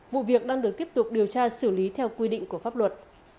vụ việc đang được tiếp tục điều tra xử lý theo quy định của pháp luật